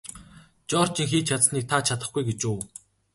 Жоржийн хийж чадсаныг та чадахгүй гэж үү?